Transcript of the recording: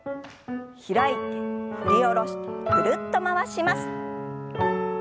開いて振り下ろしてぐるっと回します。